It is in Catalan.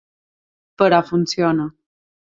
Però funciona.